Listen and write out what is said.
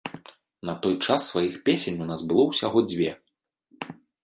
На той час сваіх песень у нас было ўсяго дзве.